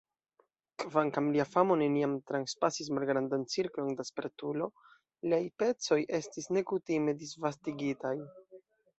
Kvankam lia famo neniam transpasis malgrandan cirklon da spertulo, liaj pecoj estis nekutime disvastigitaj.